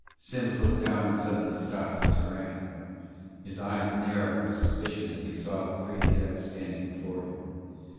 Simms looked down and suddenly stopped his harangue. His eyes narrowed with suspicion as he saw the three cadets standing before him.